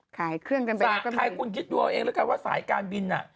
เครื่องกันไปไทยคุณคิดดูเอาเองแล้วกันว่าสายการบินอ่ะ